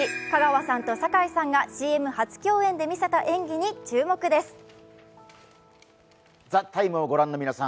香川さんと堺さんがＣＭ初共演で見せた演技に注目です。